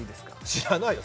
知らないよ